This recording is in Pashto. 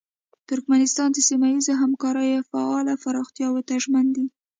ترکمنستان د سیمه ییزو همکاریو فعاله پراختیاوو ته ژمن دی.